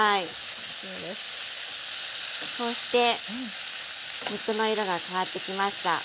そうして肉の色が変わってきました。